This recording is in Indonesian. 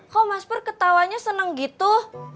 kok mas pur ketawanya seneng gitu